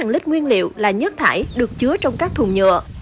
bốn lít nguyên liệu là nhất thải được chứa trong các thùng nhựa